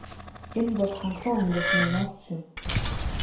Энэ бол хангалуун амьдралын нууц юм.